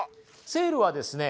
セールはですね